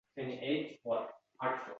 Kelinim ham tillaga bergisiz chiqdi